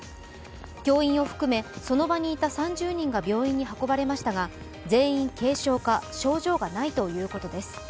教員を含めその場にいた３０人が病院に運ばれましたが、全員軽傷か症状がないということです。